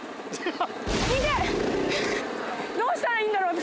イテッどうしたらいいんだろう私